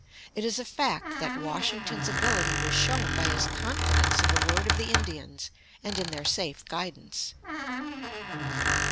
It is a fact that Washington's ability was shown by his confidence in the word of the Indians and in their safe guidance.